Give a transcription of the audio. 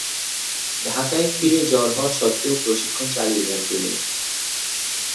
ঢাকায় ফিরে জ্বর হওয়া সত্ত্বেও প্রশিক্ষণ চালিয়ে যান তিনি।